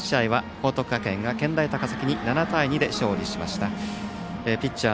第１試合は報徳学園が健大高崎に７対２で勝利しました。